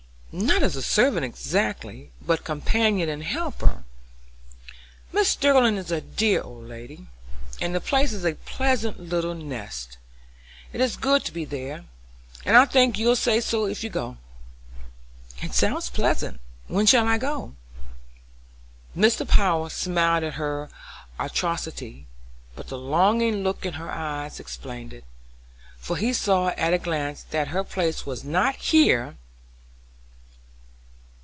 "Not as a servant, exactly, but companion and helper. Mrs. Sterling is a dear old lady, and the place a pleasant little nest. It is good to be there, and I think you'll say so if you go." "It sounds pleasant. When shall I go?" Mr. Power smiled at her alacrity, but the longing look in her eyes explained it, for he saw at a glance that her place was not here.